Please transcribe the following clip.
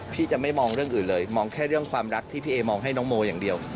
พี่จะไม่มองเรื่องอื่นเลยมองแค่เรื่องความรักที่พี่เอมองให้น้องโมอย่างเดียว